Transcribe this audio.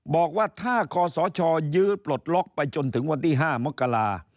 บอกว่าถ้าคศยื้อปลดล็อกไปจนถึงวันที่๕มกรา